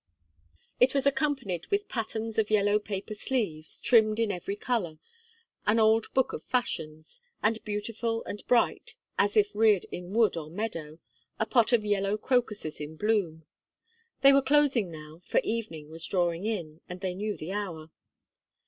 It was accompanied with patterns of yellow paper sleeves, trimmed in every colour, an old book of fashions, and beautiful and bright, as if reared in wood or meadow, a pot of yellow crocuses in bloom. They were closing now, for evening was drawing in, and they knew the hour.